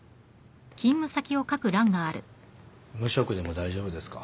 無職でも大丈夫ですか？